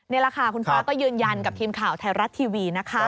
นี่แหละค่ะคุณฟ้าก็ยืนยันกับทีมข่าวไทยรัฐทีวีนะคะ